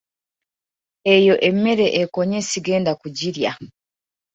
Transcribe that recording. Eyo emmere ekonye sigenda kugirya.